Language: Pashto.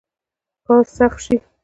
کار سخت شي.